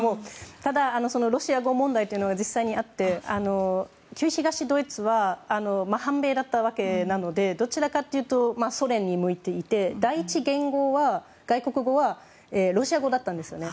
ただ、ロシア語問題も実際にあって旧東ドイツは反米だったわけなのでどちらかというとソ連に向いていて、第１外国語はロシア語だったんです。